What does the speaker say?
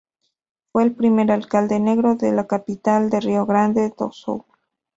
Fue el primer alcalde negro de la capital de Rio Grande do Sul.